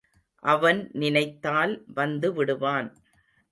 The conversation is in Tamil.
அவன் நினைத்தால் வந்துவிடுவான்.